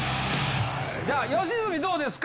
じゃあ吉住どうですか？